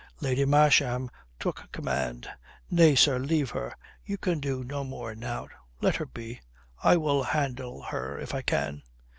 Lady Masham took command. "Nay, sir, leave her. You can do no more now. Let her be. I will handle her if I can."